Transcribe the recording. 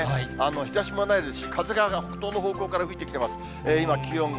日ざしもないですし、風が北東の方向からふぶいてきています。